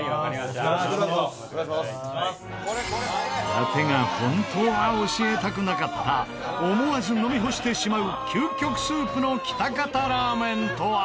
伊達が本当は教えたくなかった思わず飲み干してしまう究極スープの喜多方ラーメンとは？